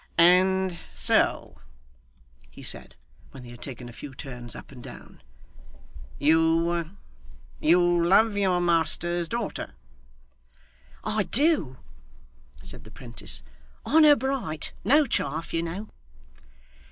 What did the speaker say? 'And so,' he said, when they had taken a few turns up and down, you you love your master's daughter?' 'I do,' said the 'prentice. 'Honour bright. No chaff, you know.